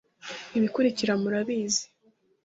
Ibikulikira murabizi.